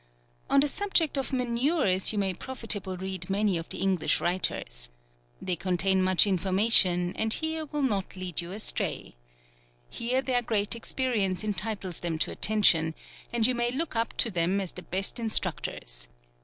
On the subject of manures, you may pro fitably read many of the English writers. — They contain much information, and here will not lead you astray. Here their great experience entitles them to attention, and you may look up to them as the best instruct ors.